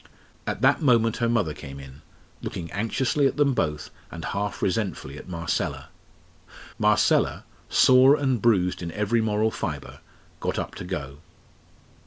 At that moment her mother came in, looking anxiously at them both, and half resentfully at Marcella. Marcella, sore and bruised in every moral fibre, got up to go.